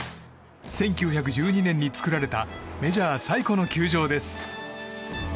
１９１２年に作られたメジャー最古の球場です。